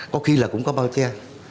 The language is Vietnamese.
có khi là cũng có bao che